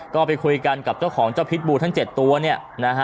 ก็คุยกันต่อไปกับเจ้าของกับเจ้าผิดบูททั้ง๗ตัวเนี่ย